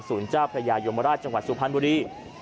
เจ้าพระยายมราชจังหวัดสุพรรณบุรี